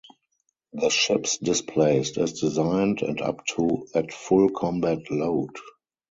The ships displaced as designed and up to at full combat load.